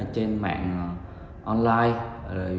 trên mạng online